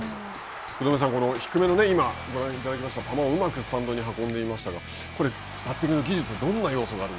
福留さん、低目のご覧いただきました球をうまくスタンドに運んでいましたが、バッティングの技術